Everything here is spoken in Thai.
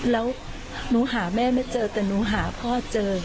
แล้วหนูหาแม่ไม่เจอแต่หนูหาพ่อเจอ